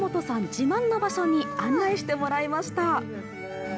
自慢の場所に案内してもらいました